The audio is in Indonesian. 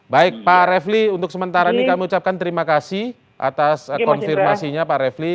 baik pak refli untuk sementara ini kami ucapkan terima kasih atas konfirmasinya pak refli